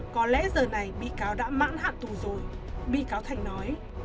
có lẽ giờ này bị cáo đã mãn hạn tù rồi bị cáo thành nói